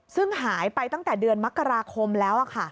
ซึ่งหายไปตั้งแต่เดือนมกราคมแล้ว